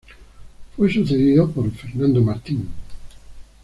Fue sucedido por Fernando Martín.